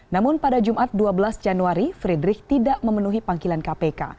namun pada jumat dua belas januari frederick tidak memenuhi panggilan kpk